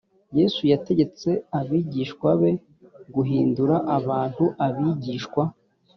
yesu yategetse abigishwa be guhindura abantu abigishwa